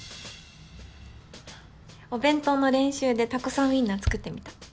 お弁当の練習でたこさんウインナー作ってみた。